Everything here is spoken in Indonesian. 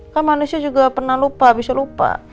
kan manusia juga pernah lupa bisa lupa